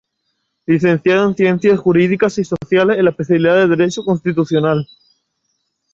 Licenciado en Ciencias Jurídicas y Sociales en la especialidad de Derecho Constitucional.